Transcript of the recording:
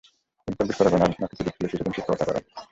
তিনি চব্বিশ পরগণার নকিপুর স্কুলে কিছুদিন শিক্ষকতা করেন।